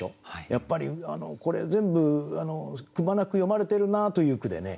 やっぱりこれ全部くまなく詠まれてるなという句でね